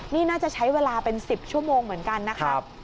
นี่น่าจะใช้เวลาเป็น๑๐ชั่วโมงเหมือนกันนะครับ